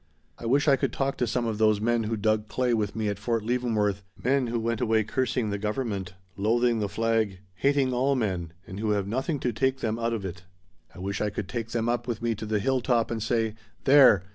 I wish I could talk to some of those men who dug clay with me at Fort Leavenworth men who went away cursing the government, loathing the flag, hating all men, and who have nothing to take them out of it. I wish I could take them up with me to the hill top and say 'There!